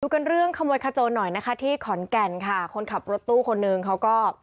กันเรื่องขโมยขโจนหน่อยนะคะที่ขอนแก่นค่ะคนขับรถตู้คนหนึ่งเขาก็